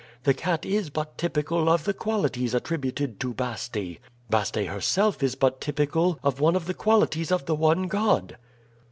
The cat is but typical of the qualities attributed to Baste. Baste herself is but typical of one of the qualities of the One God."